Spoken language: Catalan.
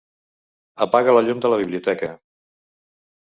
Apaga el llum de la biblioteca.